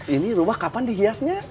ini rumah kapan dihiasnya